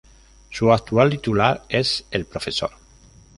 Su actual titular es el Prof.